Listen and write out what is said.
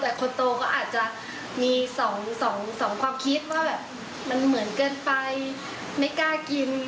แต่คนโตก็อาจจะมีสองความคิดว่าแบบมันเหมือนเกินไปไม่กล้ากิน